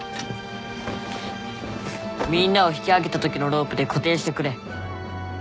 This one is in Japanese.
みんなを引き上げたときのロープで固定してくれ。